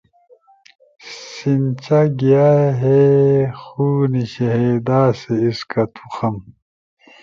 سینچا گیا ہے خونِ شہیداں سے اس کا تخم